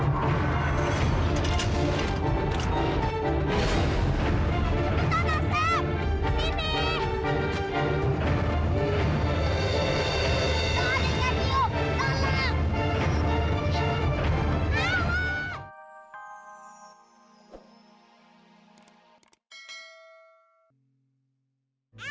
sekarang kita mulai ya